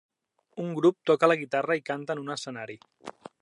Un grup toca la guitarra i canta en un escenari.